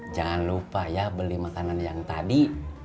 jangan lupa ya beli makanan yang tadi